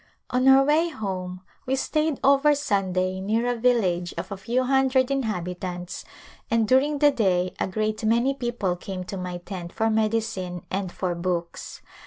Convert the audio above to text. On our way home we stayed over Sunday near a village of a few hundred inhabitants and during the day a great many people came to my tent for medicine and for books.